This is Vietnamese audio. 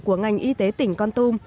của ngành y tế tỉnh con tum